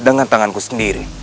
dengan tanganku sendiri